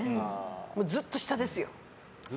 ずっと下ですよ。